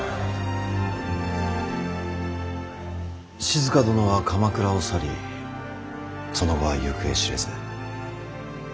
静殿は鎌倉を去りその後は行方知れず。